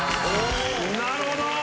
なるほど。